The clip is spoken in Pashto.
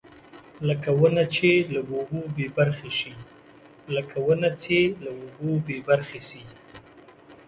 لکه ونه چې له اوبو بېبرخې شي.